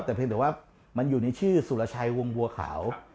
แต่เพียงแต่ว่ามันอยู่ในชื่อสุรชัยวงบัวขาว